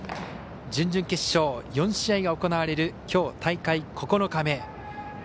準々決勝、４試合が行われるきょう、大会９日目。